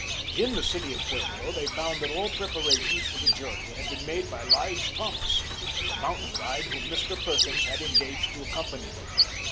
In the city of Pueblo they found that all preparations for the journey had been made by Lige Thomas, the mountain guide whom Mr. Perkins had engaged to accompany them.